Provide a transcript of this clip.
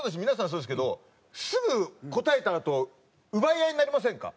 そうですけどすぐ答えたあと奪い合いになりませんか？